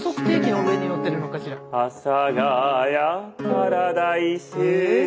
「阿佐ヶ谷パラダイス」